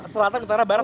selatan utara barat